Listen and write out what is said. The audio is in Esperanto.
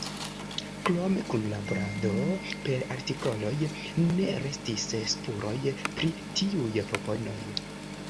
Krom kunlaborado per artikoloj, ne restis spuroj pri tiuj proponoj.